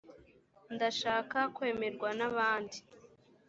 ndashaka kwemerwa n abandi